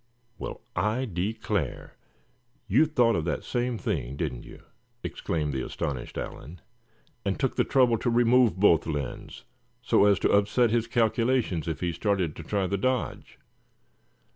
"Well, I declare, you thought of that same thing, didn't you?" exclaimed the astonished Allan; "and took the trouble to remove both lens, so as to upset his calculations if he started to try the dodge.